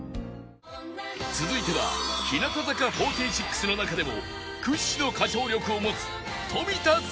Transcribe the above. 続いては日向坂４６の中でも屈指の歌唱を持つ富田鈴